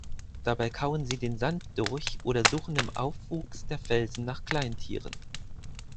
Dabei kauen sie den Sand durch oder suchen im Aufwuchs der Felsen nach Kleintieren.